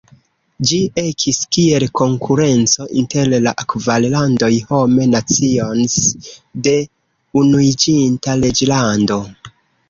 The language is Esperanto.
Ĝi ekis kiel konkurenco inter la kvar landoj "Home Nations" de Unuiĝinta Reĝlando.